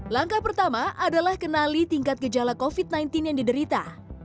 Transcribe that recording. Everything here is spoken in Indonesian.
langkah pertama adalah kenali tingkat gejala covid sembilan belas yang diderita